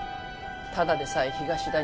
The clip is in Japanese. ただでさえ東だ